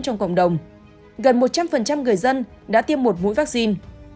trong cộng đồng gần một trăm linh người dân đã tiêm một mũi vaccine